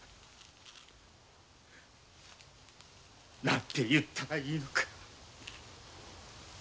何て言ったらいいのか。